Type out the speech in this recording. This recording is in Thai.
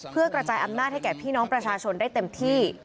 เพื่อกระจายอำนาจให้แก่พี่น้องประชาชนได้เต็มที่